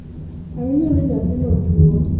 Awinjo ni nyathino tuo